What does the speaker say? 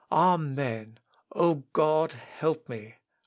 Amen.... O God, help me....